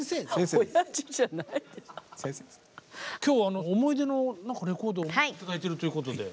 今日思い出のレコードをお持ち頂いてるということで。